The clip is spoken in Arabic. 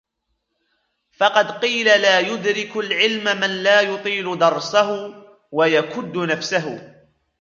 فَقَدْ قِيلَ لَا يُدْرِكُ الْعِلْمَ مَنْ لَا يُطِيلُ دَرْسَهُ ، وَيَكُدُّ نَفْسَهُ